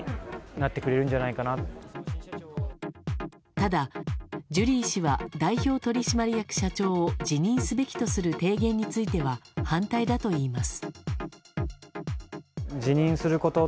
ただ、ジュリー氏は代表取締役社長を辞任すべきとする提言については反対だといいます。